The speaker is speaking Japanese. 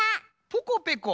ポコペコ。